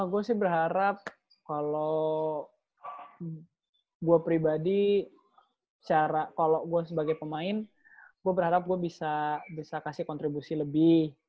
gua sih berharap kalo gua pribadi kalo gua sebagai pemain gua berharap gua bisa kasih kontribusi lebih